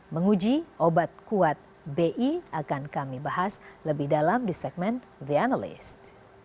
menguji obat kuat bi akan kami bahas lebih dalam di segmen the analyst